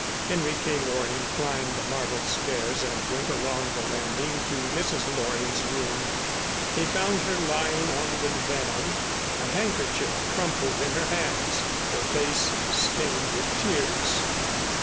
Henry K. Loring climbed the marble stairs and went along the landing to Mrs. Loring's room. He found her lying on the divan, a handkerchief crumpled in her hands, her face stained with tears.